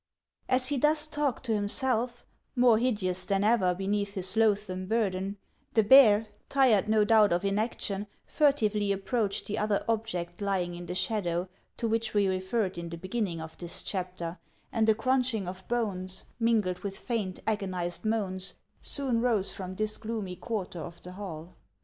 As he thus talked to himself, more hideous than ever beneath his loathsome burden, the bear, tired no doubt of inaction, furtively approached the other object lying in the .shadow, to which we referred in the beginning of this chapter, ami a crunching of bones, mingled with faint, agonized moans, soon rose from this gloomy quarter of the hall.